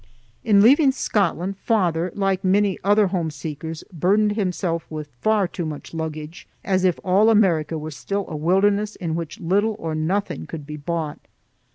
In leaving Scotland, father, like many other homeseekers, burdened himself with far too much luggage, as if all America were still a wilderness in which little or nothing could be bought.